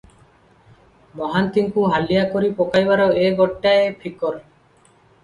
ମହାନ୍ତିଙ୍କୁ ହାଲିଆ କରି ପକାଇବାର ଏ ଗୋଟାଏ ଫିକର ।